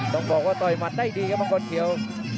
ต้องบอกว่าต่อยหมัดได้ดีครับมังกรเขียว